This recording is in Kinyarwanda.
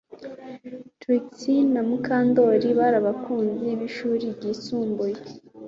Trix na Mukandoli bari abakunzi bishuri ryisumbuye